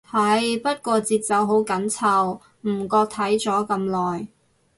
係，不過節奏好緊湊，唔覺睇咗咁耐